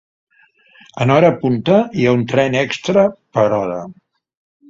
En hora punta hi ha un tren extra per hora.